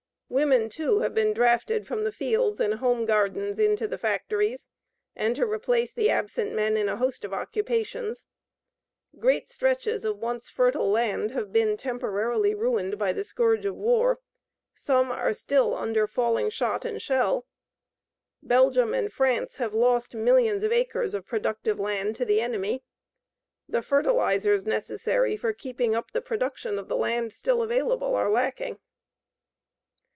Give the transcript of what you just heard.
Women, too, have been drafted from the fields and home gardens into the factories and to replace the absent men in a host of occupations. Great stretches of once fertile land have been temporarily ruined by the scourge of war; some are still under falling shot and shell. Belgium and France have lost millions of acres of productive land to the enemy. The fertilizers necessary for keeping up the production of the land still available are lacking.